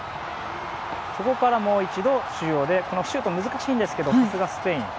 そこからもう一度中央でシュート難しいんですけどさすがスペイン。